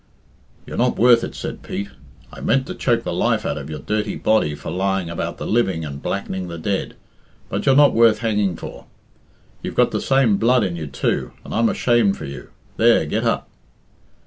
"You're not worth it," said Pete. "I meant to choke the life out of your dirty body for lying about the living and blackening the dead, but you're not worth hanging for. You've got the same blood in you, too, and I'm ashamed for you. There! get up."